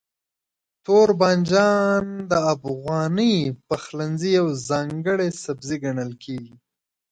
توربانجان د افغاني پخلنځي یو ځانګړی سبزی ګڼل کېږي.